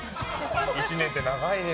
１年って長いね。